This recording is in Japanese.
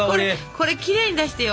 これきれいに出してよ。